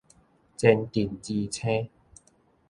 前鎮之星